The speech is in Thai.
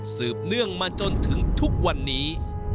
เนื่องมาจนถึงทุกวันนี้